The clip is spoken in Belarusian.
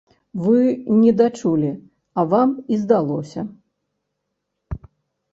Вы не дачулі, а вам і здалося.